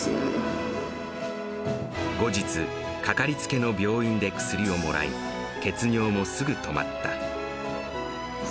後日、かかりつけの病院で薬をもらい、血尿もすぐ止まった。